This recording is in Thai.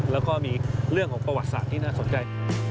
แล้วก็มีเรื่องของประวัติศาสตร์ที่น่าสนใจ